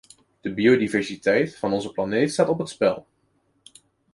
De biodiversiteit van onze planeet staat op het spel.